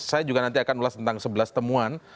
saya juga nanti akan ulas tentang sebelas temuan